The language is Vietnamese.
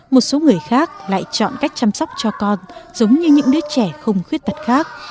một số người khác lại chọn cách chăm sóc cho con giống như những đứa trẻ không khuyết tật khác